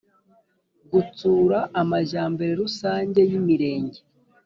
gutsura amajyambere rusange y Imirenge